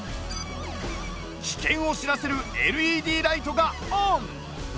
危険を知らせるＬＥＤライトがオン！